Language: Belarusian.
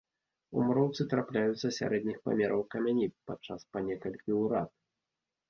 У муроўцы трапляюцца сярэдніх памераў камяні, падчас па некалькі ў рад.